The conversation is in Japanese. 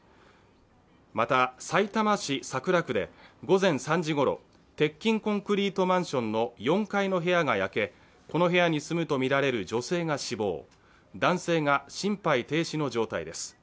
また、さいたま市桜区で午前３時ごろ、鉄筋コンクリートマンションの４階の部屋が焼けこの部屋に住むとみられる女性が死亡、男性が心肺停止の状態です。